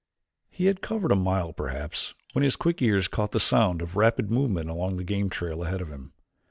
He had covered a mile perhaps when his quick ears caught the sound of rapid movement along the game trail ahead of him.